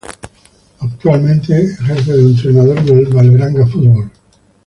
Actualmente ejerce de entrenador del Vålerenga Fotball.